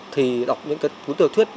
thì đọc những cái cuốn tiểu thuyết